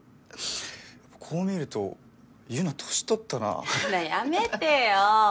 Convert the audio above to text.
こう見るとユナ年取ったなやだやめてよ